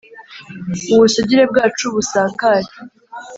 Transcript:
ubusugire bwacu busakare